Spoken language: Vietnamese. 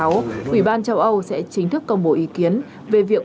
ủy ban châu âu sẽ chính thức công bố ý kiến về việc